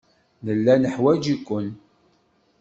Nella neḥwaj-iken.